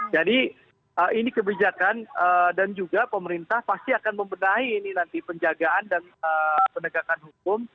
jadi ini kebijakan dan juga pemerintah pasti akan membenahi ini nanti penjagaan dan penegakan hukum